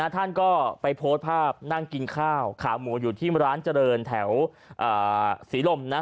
ท่านก็ไปโพสต์ภาพนั่งกินข้าวขาหมูอยู่ที่ร้านเจริญแถวศรีลมนะ